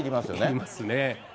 いりますね。